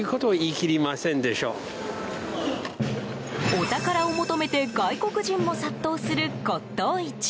お宝を求めて外国人も殺到する骨董市。